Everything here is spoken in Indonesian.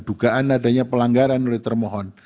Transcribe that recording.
dugaan adanya pelanggaran oleh termohon